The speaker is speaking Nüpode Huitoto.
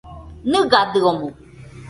¿Nɨgadɨomoɨ?